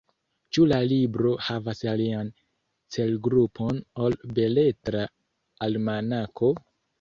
Ĉu la libro havas alian celgrupon ol Beletra Almanako?